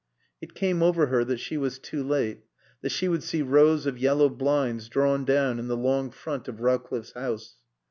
It came over her that she was too late, that she would see rows of yellow blinds drawn down in the long front of Rowcliffe's house.